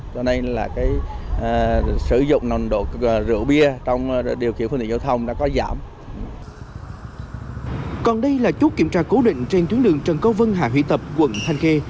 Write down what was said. cho nên là sử dụng nồng độ rượu bia trong điều khiển phương tiện giao thông